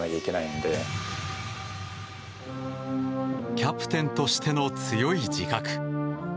キャプテンとしての強い自覚。